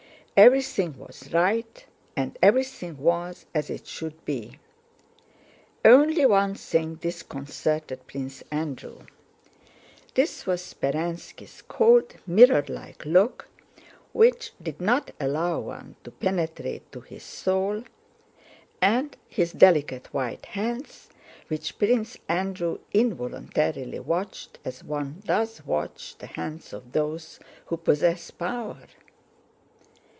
Everything was right and everything was as it should be: only one thing disconcerted Prince Andrew. This was Speránski's cold, mirrorlike look, which did not allow one to penetrate to his soul, and his delicate white hands, which Prince Andrew involuntarily watched as one does watch the hands of those who possess power.